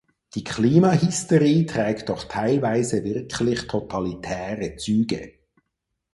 Die Klimahysterie trägt doch teilweise wirklich totalitäre Züge!